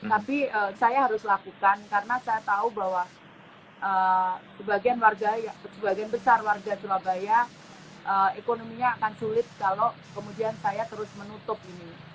tapi saya harus lakukan karena saya tahu bahwa sebagian besar warga surabaya ekonominya akan sulit kalau kemudian saya terus menutup ini